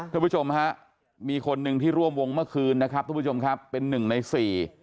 ทุกผู้ชมฮะมีคนหนึ่งที่ร่วมวงเมื่อคืนนะครับทุกผู้ชมครับเป็นหนึ่งในสี่